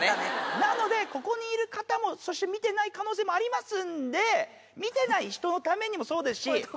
なのでここにいる方もそして見てない可能性もありますんで見てない人のためにもそうですし